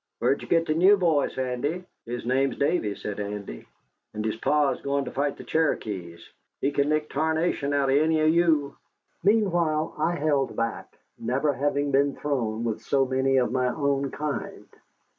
"Where'd you get the new boy, Sandy?" "His name's Davy," said Andy, "and his Pa's goin' to fight the Cherokees. He kin lick tarnation out'n any o' you." Meanwhile I held back, never having been thrown with so many of my own kind.